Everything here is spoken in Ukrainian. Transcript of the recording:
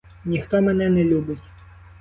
Ніхто мене не любить.